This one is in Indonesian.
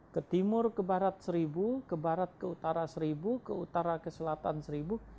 ke timur ke barat seribu ke barat ke utara seribu ke utara ke selatan seribu